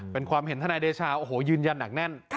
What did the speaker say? เป็นความเห็นทนายเดชาโอ้โหยืนยันหนักแน่น